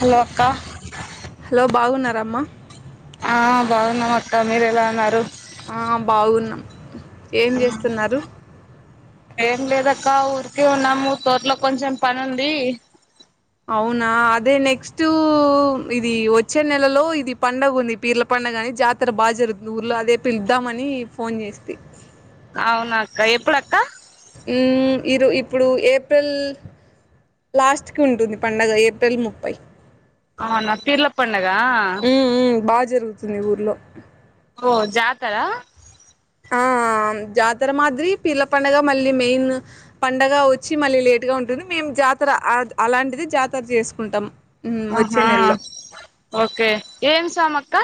Hello అక్క hello బాగున్నారమ్మా ఆ బావున్నవా అత్త మీరు ఎలా ఉన్నారు ఆ బాగున్నం ఏం చేస్తుంటారు ఏం లేద అక్క ఊరికే ఉన్నం తోట్ లో కొంచెం పని ఉంది అవునా అదే నెక్స్ట్ఊ ఇది వచ్చే నెలలో ఇది పండగ ఉంది పీర్ల పండగ అని జాతర బాగా జరుగుతుంది ఊర్లో అదే పిలుద్దామని ఫోన్ చేస్తి అవునా అక్క ఎప్పుడు అక్క ఊ ఇరు ఇప్పుడు ఏప్రిల్ లాస్ట్ కి ఉంటుంది పండగ ఏప్రిల్ ముప్పై అవున పేర్ల పండగ ఆ చిని ఊర్లో ఓ జాతార ఆ ఆ మ్ జాతర మాదిరి పీర్లపండగ మళ్ళీ మెయిన్ పండగ వచ్చి మళ్ళీ లేట్ గా ఉంటుంది మేం జాతర అలాంటిది జాతర చేసుకుంటాం హ్మ్. వచ్చే ఆహా నెలలో ఓకే ఏం సామక్క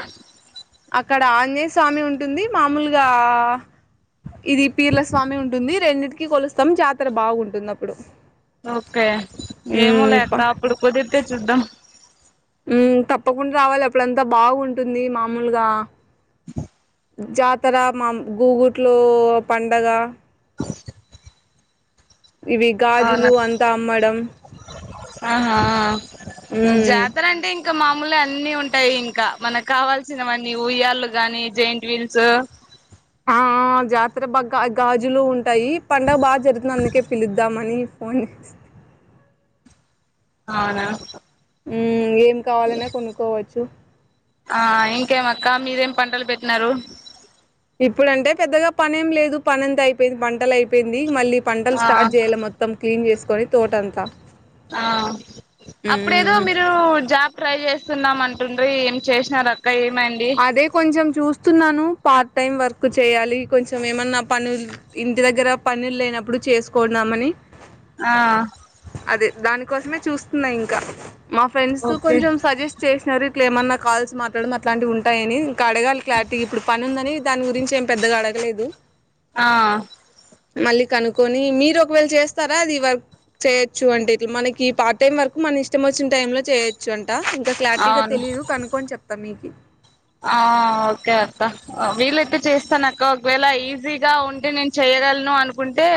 అక్కడ ఆంజేయ స్వామి ఉంటుంది మామూలుగా ఇది పీర్ల స్వామి ఆంజనేయ స్వామి ఉంటుంది రెండింటికి కొలుస్తాం జాతర బాగుంటుంది అప్పుడు ఓకే ఏమో లే అక్క అప్పుడు కుదిరితే చూద్దాం ఉ తప్పకుండా రావాలి అప్పుడంతా బాగుంటుంది మామూలుగా జాతర మా గూగుట్లో పండగ ఇవి గాజులు అవునా అంతా అమ్మడం ఆహా హ్మ్. జాతర అంటే ఇం ఇంకా మామూలు అన్నిీ ఉంటాయి ఇంకా మనకు కావాల్సి ఉయ్యాల ఊయ్యాళ్ళు గాని జయింట్ వీల్స్ ఆ ఆ జాతర బాగా గాజులు ఉంటాయి పండుగ బాగా జరుగుతుంది అందుకే పిలుద్దామని ఫోన్ అవునా ఏం కావలిసిన కొనుక్కోవచ్చు ఆ ఇంకేమక్క మీరేం పంటలు పెట్టిన ఇప్పుడంటే పెద్దగా పని ఏం లేదు పన ఎంత అయిపోయింది పంటలు అయిపోయింది మళ్ళీ పంటలు ఆ స్టార్ట్ చేయాలి మొత్తం క్లీన్ చేసుకొని తోటంతా ఆ అప్పుడేదో ఉమ్ మీరు జాబ్ ట్రై చేస్త స్తున్నాం అంటుండ్రి ఏం చేసినార అదే కొంచెం చూస్తున్నాను పార్ట్ టైం వర్క్ చేయాలి కొంచెం ఏమన్నా పనులు ఇంటి దగ్గర పనులు లేనప్పుడు చేసుకోనా అమని ఆ అదే దానికోసమే చూస్తునన్నా ఇంకా మా ఫ్రెండ్స్ ఓకే కొంచెం సజెస్ట్ చేసినరు ఏమన్నా కాల్స్ మాట్లాడు మ ఇట్లాంటి ఉంటాయని ఇంకా అడగాలి క్లారిటీ ఇప్పుడు పని ఉందని దాని గురించి ఏం పెద్దగా అడగలేదు ఆ మళ్ళీ కనుక్కొని మీరు ఒకవేళ చేస్తారా అది వర్ చేయొచ్చు అంటే ఇట్లా మనకి పార్ట్ టైం వరకు మన ఇష్టం వచ్చిన టైమ్ లో చేయొచ్చు అం ట ఇంకా క్లారిటీగా అవును తెలీయదు కనుక్కొని చెప్తా మీకు ఆ ఓకే అత్త వీలైతే చేస్తాను అక్క ఒకవేళ ఈజీగా ఉంటే నేను చె చేయగలను అను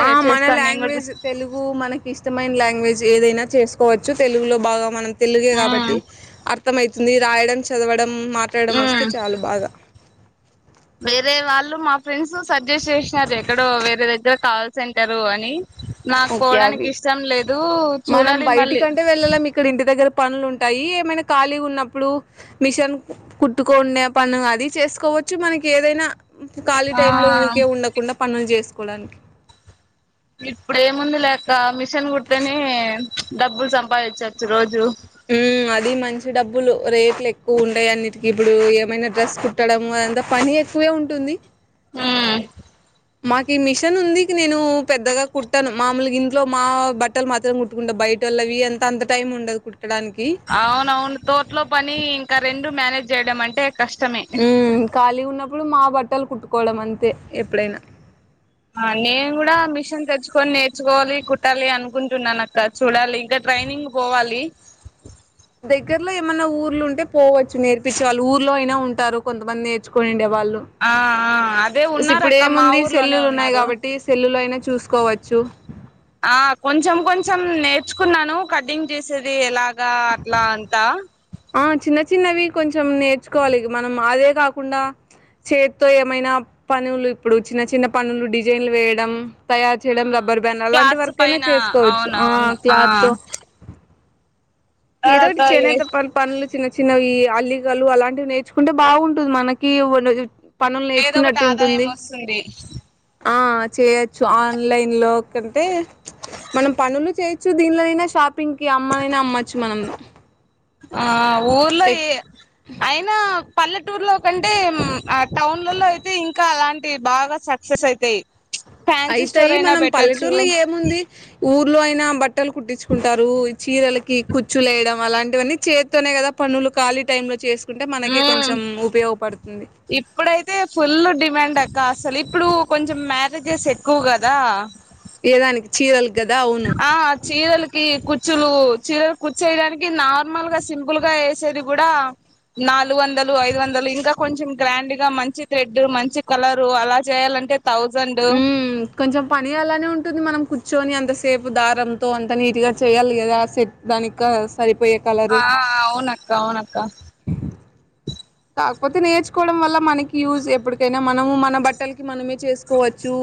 ఆ మన లాంగ్వేజ్ తెలుగు మనకి ఇష్టం ఇష్టంమైన లాంగ్వేజ్ ఏదైనా చేసుకోవచ్చు తెలుగులో బాగా మనం తెలుగే ఉమ్ కాబట్టి అర్థమై తుంది రాయడం చదవడం వడం మాట్లాడడం వస్తే ఉమ్ చాలు బాగా వేరే వాళ్ళు మా ఫ్రెండ్స్ సజెస్ట్ చేసినారు ఎక్కడో వేరే దగ్గర కాల్ సెంటారు అని నాకు ఓకే అవి పోవడానికి ఇష్టం లేదు మనం చూడాలి మళ్ళీ బయటికంటే వెళ్ళలేము ఇక్కడ ఇంటి దగ్గర పనులుంటాయి ఏమైనా ఖాళీగా ఉన్నప్పుడు మిషన్ కుట్టుకోండ పని అది చేసుకో చ్చు మనకి ఏదైనా ఖాళీ ఆ టైంలో ఊరికే ఉండకుండా పనులు చేసుకోవడానికి ఇప్పుడ ఏముంది లేక మిషన్ కుడుతనే డబ్బులు సంపాదించచ్చు రోజు హు అది మంచి డబ్బులు రేట్లు ఎక్కువ ఉంటాయి అన్నిటికి ఇప్పుడు ఏమైనా డ్రెస్ కుట్టడం అంత పని ఎక్కువే ఉంటుంది హు మాకు ఈ మిషన్ ఉంది నేను పెద్దగా కుట్టాను మామూలుగా ఇంట్లో మా బట్టలు మాత్రం కుట్టుకుంటా బయ బయటోల్లవి అంత టైం ఉండదు కు అవునవును తోట్లో పని ఇంకా రెండు మేనేజ్ చేయడం అంటే కష్టమే ఉ ఖాళీ గా ఉన్నప్పుడు మా బట్టలు కుట్టుకోవడం అంతే ఎప్పుడైనా ఆ నేను కూడా మిషన్ తెచ్చుకొని నేర్చుకోవాలి కుట్టాలి అనుకుంటున్నాను అక్క చూడాలి ఇంకా ట్రైనింగ్ పోవాలి దగ్గరలో ఏమన్నా ఊర్లు ఉంటే పోవచ్చు నేర్పించే వాళ్ళు ఊర్లో అయినా ఉంటారు కొంతమంది నేర్చుకొని ఉండే వాళ్ళు ఆ ఆ అదే సి ఉన్నారు ఇప్పుడు అక్క మా ఏముంది ఊర్లోనే సెల్లులు ఉన్నాయి ఉన్నారు కాబట్టి సెల్లులు అయినా చూసుకోవచ్చు ఆ కొంచెం కొంచెం కొంచెం నేర్చుకున్నాను కట్టింగ్ చేసేది ఎలాగా అట్లా అంతా ఆ చిన్న చిన్నవి కొంచెం నేర్చుకోవాలి ఇగ మనం అదే కాకుండా చేతితో ఏమైనా పనులు ఇప్పుడు చిన్న చిన్న పనులు డిజైన్లు వేయడం తయారు ఆ చేయడం రబ్బర్ బాండ్ అలాంటి క్లాత్స్ వర్క్ అయినా పైన చేసుకోవచ్చు ఆ అవునవును ఆ క్లాత్ ఏదోటి రకారకా చేనేత పల్ పల్లు చిన్న చిన్నవి అల్లికలు అలాంటివి నేర్చుకుంటే బాగుంటుంది మనకి వో పనులు ఏదో ఒకటి నేర్చుకున్నట్టు ఆదాయం ఉంటుంది వస్తుంది ఆ చేయచ్చు ఆన్లైన్లో కంటే మనం పనులు చేయొచ్చు దీనిలోనైనా షాపింగ్ కి అమ్మనైనా అమ్మచ్చు మనం ఆ ఊర్లో ఏ అయినా పల్లెటూర్లో కంటే మ్ అట్ టౌన్లలో అయితే ఇంకా అలాంటివి బాగా సక్సెస్ అయితయ్ అయితయ్ మనం పల్లెటూర్లో ఏముంది ఊ ఊళ్ళో అయినా బట్టలు కుట్టించుకుంటారు చీరలకి కుచ్చులు ఏయడం అలాంటివన్నీ చేత్తోనే కదా పనులు ఖాళీ టైం లో చేసు మ్మ్ ఇప్పుడైతే ఫుల్లు డిమాండ్ అక్ కా అసల్ ఇప్పుడూ కొంచెం మ్యారేజెస్ ఎక్కువ్ గదా ఏదానిక్ చీరల్ ఆ చీరలు కి కుచ్చులూ చీరలక్ కుచ్చేయడానికి నార్మల్ గా సింపుల్ గా ఏసేది గుడా నాలుగు వందలు ఐదు వందలు ఇంకా కొంచెం గ్రాండ్గా మంచి థ్రెడ్ మంచి కలరు అలా చేయాలంటె మ్ కొంచెం పని అలానే ఉంట్ మనం కూర్చొని అంతసేపు దారంతో అంత నీట్ గా చేయాలి గదా సెట్ దానికా సరి ఆ అవునక్క అవునక్క కాక్పోతే నేర్చుకోవడం వల్ల మనకి యూజ్ ఎప్పడుకైనా మనము మన బట్టల్కి మనమే చేసుకోవచ్చు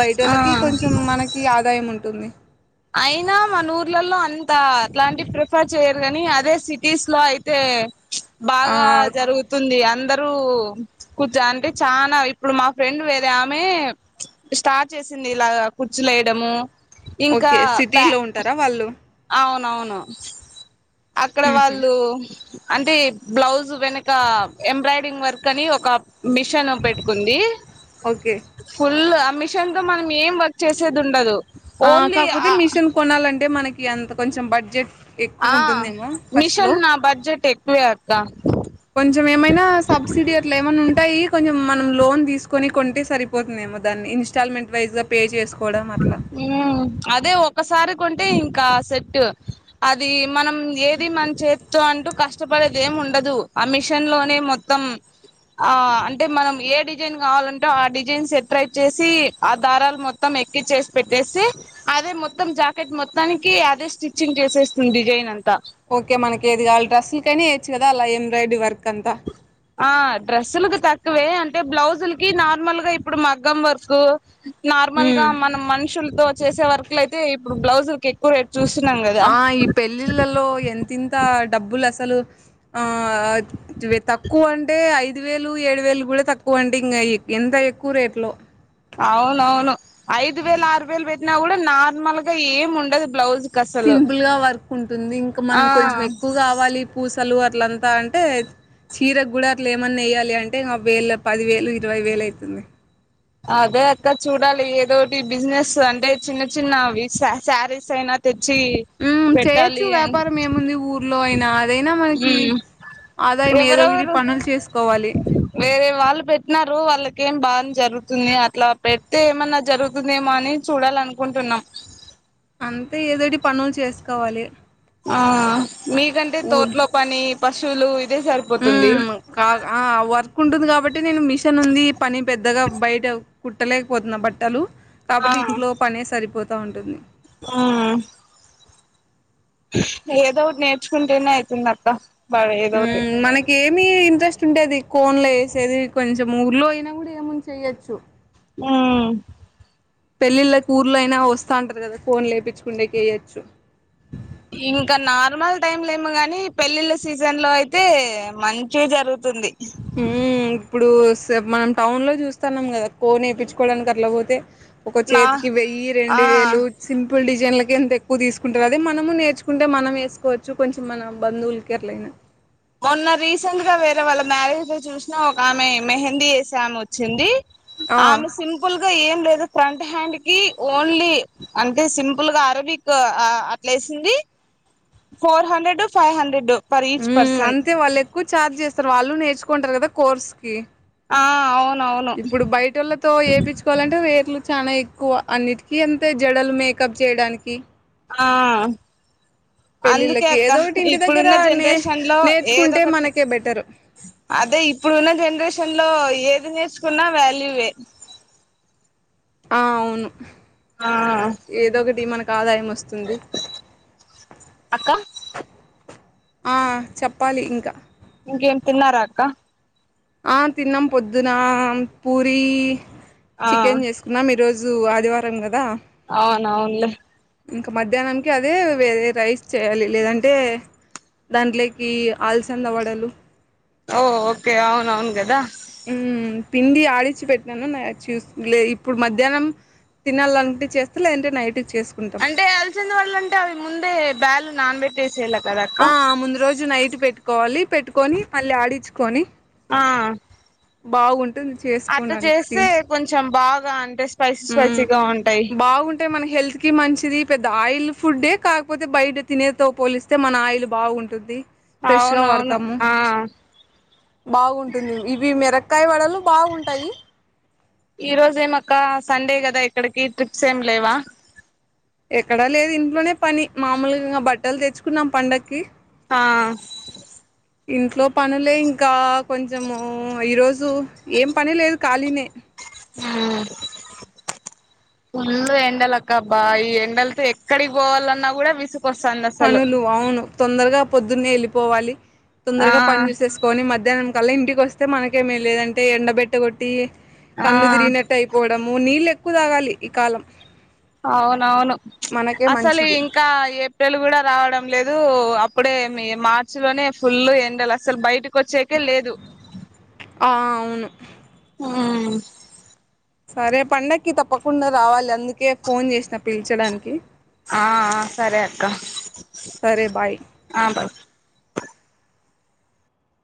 బయటోళ్ళకి ఆ కొంచెం మనకి ఆదాయం ఉంటుంది ఐనా మన ఊర్లల్లో అంతా అట్లాంటి ప్రిఫర్ చేయరు గనీ అదే సిటీస్ లో అయితే ఆ బాగా జరుగుతుంది అందర్ అంటె చానా ఇప్పుడు మా ఫ్రెండ్ వేరే ఆమే స్టార్ట్ చేసింది ఇలాగా కుచ్చులేయడమూ ఇంకా ఓకే బా సిటీలో ఉంటారా వాళ్ళు అవునవు అక్కడ ఉహు వాళ్ళూ అంటే బ్లౌజ్ వెనకా ఎంబ్రాయిడింగ్ వర్క్ అనీ ఒకా మిషన్ పెట్టుకుంది ఓకే ఫుల్లు మిషన్ తో మనం ఏం వర్క్ చేసేద్ ఉండదు ఓ కాక్పోతె మిషిన్ కొనాలంటే మనకి అంత కొంచెం బడ్జెట్ ఆ ఎక్కువుంటుందేమో ఫస్ట్లో మిషన్ నా బడ్జెట్ ఎక్కువే అక్క కొంచం ఏమైనా సబ్సిడి అట్ల ఏమన్నుంటాయి కొంచెం మనం లోన్ తీసుకొని కొంటే సరిపోతుందేమో దాన్ని ఇన్స్టల్మెంట్ వైజ్గా పే చేసుకు కోడం అట్లా మ్మ్ అదే ఒకసారి కొంటే ఇంకా సెట్టు అది మనం ఏది మన్ చేత్తొ అం టు కష్టపడేది ఏం ఉండదు ఆ మిషన్ లోనే మొత్తం ఆ అంటే మనం ఏ డిజైన్ కావాలంటే ఆ డిజైన్స్ సెట్ప్రైచ్చేసి ఆ దారాల్ మొత్తం ఎ కిచేసి పెట్టేసి అదే మొత్తం జాకెట్ మొత్తానికి అదే స్టిచ్చింగ్ చేసేస్తుంది డిజైన్ అంత ఓకే మనకేది కావాల్ డ్రెస్సుల్కైనా ఏయెచ్చు గదా అలా ఎంబ్రాయిడీ వర్క్ అంతా ఆ డ్రెస్సుల్కు తక్ వే అంటే బ్లౌజుల్కి నార్మల్ గా ఇప్పుడు మగ్గం వర్కు నార్మల్ గా ఉమ్. మనం మనుషుల్తో చేసే వర్క్లైతే ఇప్పుడు బ్లౌజుల్కి ఎక్కువ్ రేట్ చూస్తున్నాం కదా ఆ ఈ పెళ్ళిళ్ళలో ఎంతింత డబ్బుల్ అసలు ఆ అద్ తక్కువ అంటే ఐ దివేలు ఏడు వేలు గుడ తక్కువ అండి ఇంగ ఇంత ఎక్కువ రేట్లో అవునవును ఐదు వేలు ఆరు వేలు పెట్టినా గుడా నార్మల్ గా ఏం ఉండదు బ్లౌజ్ కసలు సింపుల్ గా వర్క్ ఉంటుంది ఇంకా ఆ మనం కొంచెం ఎక్కువ్ గావాలి పూస్ సలూ అట్లంతా అంటే చీరక్ గుడ అట్ల ఏమన్నా ఎయ్యాలి అంటే ఇంగ వేళ పదివేలు ఇరవై వేలు ఐతుంది అదే అక్క చూడాలి ఏదోటి బిజినెస్ అంటే చిన్న చిన్నవి సా శారీస్ అయినా తే చీ ఉమ్ చేయొచ్చు పెట్టాలీ వ్యాపారం ఏముంది ఊర్లో అయినా అదైనా మనకి మ్ ఆదాయం ఏదో ఒకటి ఎవరెవరు పనులు చేసుకోవాలి వేరే వాళ్ళు పెట్టినరూ వాళ్ళక్ కేం బాన్ జరు తుంది అట్లా పెడ్తే ఏమన్నా జరుగుతుందేమో అని చూడాలనుకుంటున్నం అంతే ఏదోటి పనుల్ చేస్కోవాలి ఆ మీకంటే తోట్లో పనీ పశువులు ఇదే సరిపోతుంది మ్ కాహ్ ఆ వర్క్ ఉంటుంది కాబట్ నేను మిషన్ ఉందీ పని పెద్దగా బయట కుట్టలేకపోత్న బట్టలు కాబట్టి ఇంట్లో పనే సరిపోతా ఉంటుంది. హ్మ్ ఏదో ఒకటి నేర్చుకుంటేనే అయితుంది అక్క బాగా ఏదో ఒకటి హ్మ్ మనకి ఏమి ఇంట్రెస్ట్ ఉండేది కోన్లో వేసేది కొంచెం ఊర్లో అయినా కూడా ఏమో చేయొచ్చు హ్మ్ పెళ్ళిళ్ళకి ఊర్లో అయినా వస్తా ఉంటారు కదా కోన్ లేపించుకుంటే కే ఏయొచ్చు ఇంకా నార్మల్ టైమ్లో ఏమో గాని పెళ్ళిళ్ళ సీజన్ లో అయితే మంచిగా జరుగుతుంది. మ్మ్ ఇప్పుడు మనం టౌన్ లో చూస్తాన్నాం కదా కోన్ వేపిచ్చుకోవడానికి అట్లా పోతే ఒక నా చేతికి వెయ్యి ఆ రెండు వేలు సింపుల్ డిజైన్ల ఎంత ఎక్కువ తీసుకుంటారు అదే మనము నేర్చుకుంటే మనం వేసుకోవచ్చు కొంచెం మన బంధువులకి ఎట్లైనా మొన్న రీసెంట్ గా వేరే వాళ్ళ మ్యారేజ్ కి చూసినా ఒక ఆమె మెహందీ ఏసే ఆమె వచ్చింది ఆ ఆమె సింపుల్ ఏం లేదు ఫ్రంట్ హ్యాండ్ కి ఓన్లీ అంటే సింపుల్ గా అరబిక్ అట్లా as the four hundred five hundred per each person హ్మ్అంతే వాళ్ళు ఎక్కువ ఛార్జ్ చేస్తారు వాళ్ళు నేర్చుకుంటారు కదా కోర్స్ కి ఆ అవు ఇప్పుడు బయటోళ్ళతో ఏపిచ్చుకోవాలంటే వేర్లు చనా ఎక్కువ అన్నిటికీ అంతే జడలు మేకప్ చేయడానికి ఆ అందుకే పెళ్ళిళ్ళకి అక్క ఏదో ఒకటి ఇంటి దగ్గర ఇప్పుడున్న నే జనరేషన్ లో ఏదో నేర్చుకుంటే ఒకటి మనకే బెటరు అదే ఇప్పుడు ఉన్న జనరేషన్ లో ఏది నేర్చుకున్నా వాల్యూనే ఆ అవును ఏదో ఒకటి మనకి ఆదాయము అక్క ఆహ్ చెప్పాలి ఇంకా ఇంకేం తిన్నారా అక్క ఆహ్ తిన్నాం పొద్దున పూరి ఆ చికెన్ చేసుకున్నాం ఈరోజు జు ఆదివారం కదా అవును అవునులే ఇంకా మధ్యాహ్ననికి అదే వేరే రైస్ చేయాలి లేదంటే దాంట్లోకి అల్సంద వడలు ఓ ఓకే అవును అవున్ గదా హ్మ్ పిండి ఆడిచి పెట్టాను చూ లే ఇప్పుడు మధ్యాహ్నం తినాలంటే చేస్తే లేదంటే నైట్ అంటే అలసంద వడలు అంటే అవి ముందే బ్యాల్ నాన్బెట్టే ఆ ముందు రోజు నైట్ పెట్టుకోవాలి పెట్టుకొని మళ్ళీ ఆడిచ్చుకొని ఆ బాగుంట అట్ట చేస్తే కొంచెం బాగా అనిపిస్ హ్మ్ బాగుంటాయి. మన హెల్త్ కి మంచి ది పెద్ద ఆయిల్ ఫుడ్డే కాకపోతే బయట తినే తో పోలిస్తే మన ఆయిల్ బాగుంటుది. అవునవును ఆ బాగుంటుంది ఇవి మిరకాయ వడలు బాగుంటాయి ఈ రోజ ఏమక్క సండే కదా ఎక్కడికి ట్రిప్స్ ఏమి లేవా ఎక్కడా లేదు ఇంట్లోనే పని మామూలుగా బట్టలు తెచ్చుకున్నాం పండక్కి ఆ ఇంట్లో పనులే ఇంకా కొంచెము ఈరోజు ఏం పని లేదు ఖాళీనే ఫుల్లు ఎండలక్కబ్బా ఈ ఎండలతో ఎక్కడికి పోవాలన్నా కూడా విసు పనులు అవును తొందరగా పొద్దున్న వెళ్ళిపోవాలి. ఆ తొందరగా పని చేూసేసుకొని మధ్యాహ్నం కల్లా ఇంటికి వస్తే మనకేమ లేదంటే ఎండబెట్ట కొట్టి ఆ కళ్ళు తిరిగినట్టు అయిపోవడము నీళ్ళ ఎక్కువ తాగాలి ఈ కాలం అవునవును మనకే అసలు మంచిది ఇంకా ఏప్రిల్ కూడా రావడం లేదు అప్పుడే మీ మార్చి లోనే ఫుల్ ఎండలు అసలు బయట కే వచ్చేకే లేదు ఆ అవును మ్మ్ సరే పండకి తప్పకుండా రావాలి అందుకే ఫోన్ చేసిన పిల్చడానికి ఆ సరే అక్క సరే బాయ్ ఆ బస్